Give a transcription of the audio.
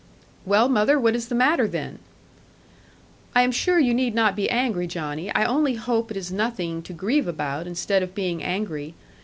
'Well, mother, what is the matter, then?' 'I am sure you need not be angry, Johnny. I only hope it is nothing to grieve about, instead of being angry.